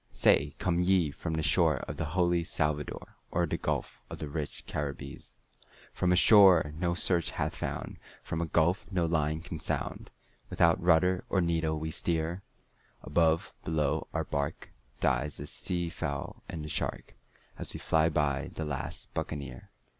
Say, come ye from the shore of the holy Salvador, Or the gulf of the rich Caribbees?" "From a shore no search hath found, from a gulf no line can sound, Without rudder or needle we steer; Above, below, our bark, dies the sea fowl and the shark, As we fly by the last Buccaneer.